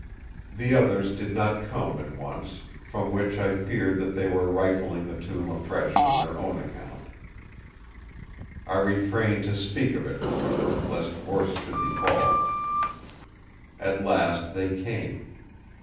The others did not come at once; from which I feared that they were rifling the tomb afresh on their own account. I refrained to speak of it, however, lest worse should befall. At last they came.